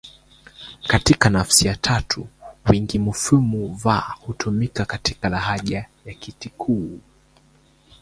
Katika nafsi ya tatu wingi mofimu va hutumika katika lahaja ya Kitikuu